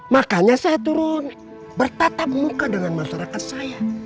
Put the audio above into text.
makanya saya turun bertatap muka dengan masyarakat saya